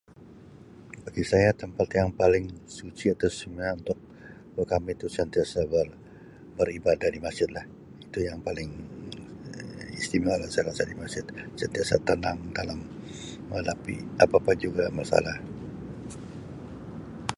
Okay, saya tempat yang paling suci atau [unintelligible] untuk Um kami tu sentiasa ber-beribadah di masjid lah itu yang paling Um saya rasa istimewa lah saya rasa di masjid sentiasa tenang dalam menghadapi apa-apa juga masalah.